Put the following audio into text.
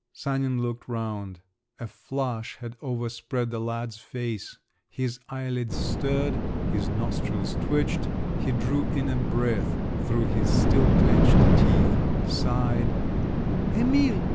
Sanin looked round … A flush had over spread the lad's face; his eyelids stirred … his nostrils twitched. He drew in a breath through his still clenched teeth, sighed…. "Emil!"